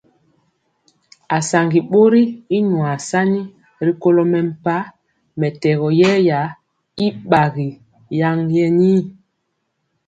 Asaŋga bori y nyuasani ri kolo mempah mɛtɛgɔ yɛya y gbagi lan yenir.